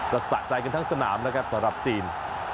สะใจกันทั้งสนามนะครับสำหรับจีน